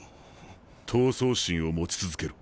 闘争心を持ち続けろ。